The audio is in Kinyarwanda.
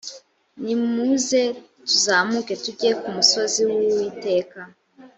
nimuze tuzamuke tujye ku musozi w uwiteka